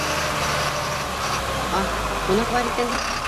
- Аһ, ҡунаҡ бар икән дә?